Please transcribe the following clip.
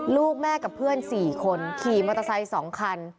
ลูกแม่กับเพื่อน๔คนขี่มอเตอร์ไซค์๒คัน